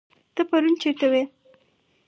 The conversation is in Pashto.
ته پرون چيرته وي